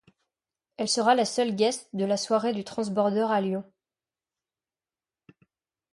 Elle sera la seule guest de la soirée du Transbordeur à Lyon.